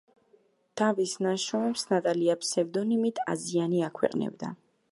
თავის ნაშრომებს ნატალია ფსევდონიმით „აზიანი“ აქვეყნებდა.